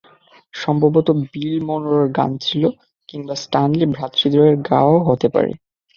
সম্ভবত বিল মনরোর গান ছিল, কিংবা স্ট্যানলি ভ্রাতৃদ্বয়ের গাওয়াও হতে পারে।